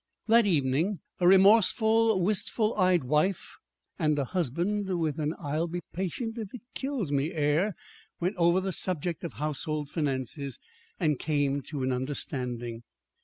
That evening a remorseful, wistful eyed wife and a husband with an "I'll be patient if it kills me" air went over the subject of household finances, and came to an understanding.